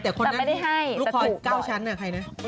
แต่ลูกค้อย๙ชั้นใครนะ